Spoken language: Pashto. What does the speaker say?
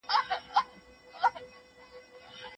په ادارو کي باید له مراجعینو سره په مهربانۍ او درناوي وسي.